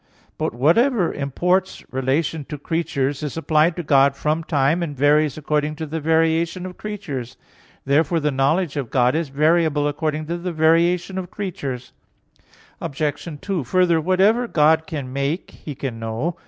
But whatever imports relation to the creature is applied to God from time, and varies according to the variation of creatures. Therefore the knowledge of God is variable according to the variation of creatures. Obj. 2: Further, whatever God can make, He can know.